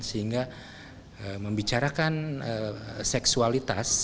sehingga membicarakan seksualitas